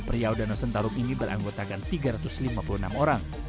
riau danau sentarum ini beranggota dengan tiga ratus lima puluh enam orang